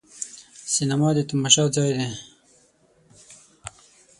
سینما د تماشا ځای دی.